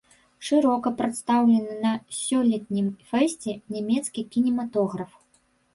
Шырока прадстаўлены на сёлетнім фэсце нямецкі кінематограф.